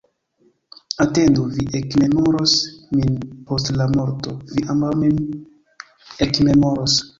Atendu, vi ekmemoros min post la morto, vi ambaŭ min ekmemoros!